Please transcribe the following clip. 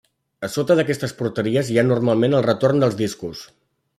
A sota d'aquestes porteries hi ha normalment el retorn dels discos.